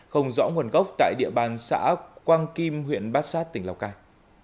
không rõ nguồn gốc tại địa bàn xã quang kim huyện bát sát tỉnh lào cai